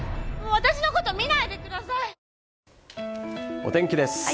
お天気です。